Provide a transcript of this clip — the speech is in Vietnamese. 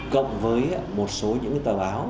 cộng với một số những cái tờ báo